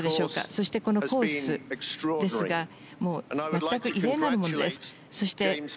そしてこのコースですが全く異例なるものです。